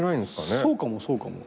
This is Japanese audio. そうかもそうかも。